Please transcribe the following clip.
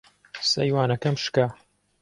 سەیوانەکەم شکا.